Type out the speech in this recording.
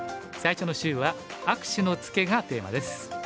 最初の週は「握手のツケ」がテーマです。